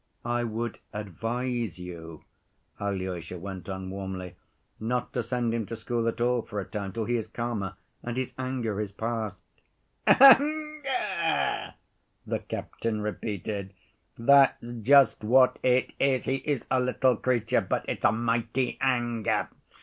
"I would advise you," Alyosha went on warmly, "not to send him to school at all for a time till he is calmer ... and his anger is passed." "Anger!" the captain repeated, "that's just what it is. He is a little creature, but it's a mighty anger.